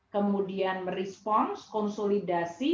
kemudian merespons konsolidasi